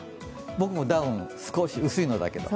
僕もダウン、少し薄いのだけど。